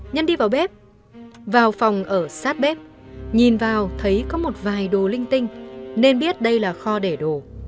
nhân đi vào bếp vào phòng ở sát bếp nhìn vào thấy có một vài đồ linh tinh nên biết đây là kho để đồ